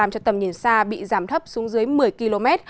từ tầm nhìn xa bị giảm thấp xuống dưới một mươi km